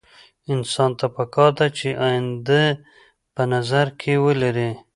انسان ته پکار ده چې اينده په نظر کې ولري.